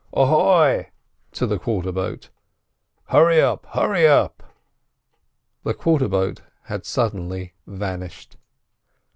Ahoy!"—to the quarter boat—"hurry up, hurry up!" The quarter boat had suddenly vanished.